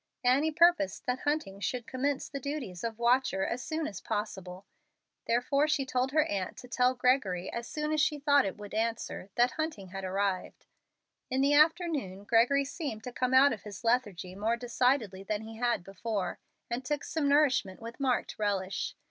Annie purposed that Hunting should commence the duties of watcher as soon as possible. Therefore she told her aunt to tell Gregory, as soon as she thought it would answer, that Hunting had arrived. In the afternoon, Gregory seemed to come out of his lethargy more decidedly than he had before, and took some nourishment with marked relish.